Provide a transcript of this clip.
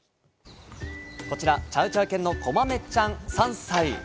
こちら、チャウチャウ犬のこまめちゃん３歳。